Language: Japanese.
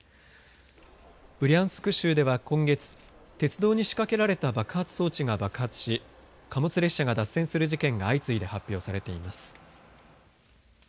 ブリャンスク州では今月鉄道に仕掛けられた爆発装置が爆発し貨物列車が脱線する事件が相次いで発表されています。